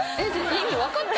意味わかった？